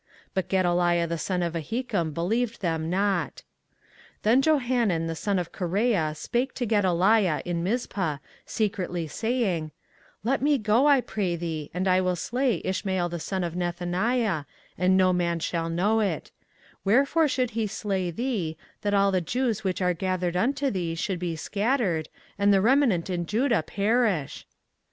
But Gedaliah the son of Ahikam believed them not. 24:040:015 Then Johanan the son of Kareah spake to Gedaliah in Mizpah secretly saying, Let me go, I pray thee, and I will slay Ishmael the son of Nethaniah, and no man shall know it: wherefore should he slay thee, that all the Jews which are gathered unto thee should be scattered, and the remnant in Judah perish?